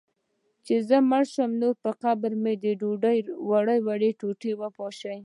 چي زه مړ سم، نو پر قبر مي د ډوډۍ وړې وړې ټوټې وپاشی